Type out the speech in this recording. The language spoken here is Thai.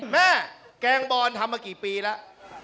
แกงบอนทำมากี่ปีแล้ว